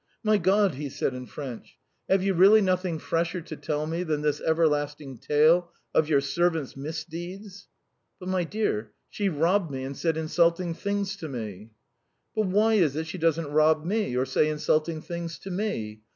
"My God!" he said in French. "Have you really nothing fresher to tell me than this everlasting tale of your servant's misdeeds?" "But, my dear, she robbed me and said insulting things to me." "But why is it she doesn't rob me or say insulting things to me?